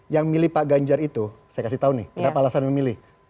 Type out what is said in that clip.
yang milih pak ganjar itu saya kasih tahu nih kenapa alasan memilih